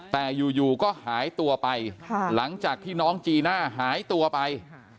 แต่อยู่ก็หายตัวไปหลังจากที่น้องจีน่าหายตัวไป